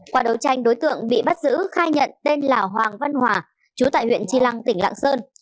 qua đấu tranh đối tượng bị bắt giữ khai nhận tên là hoàng văn hòa chú tại huyện chi lăng tỉnh lạng sơn